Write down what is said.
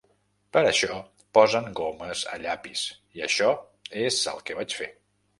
Per això posen gomes a llapis, i això és el que vaig fer.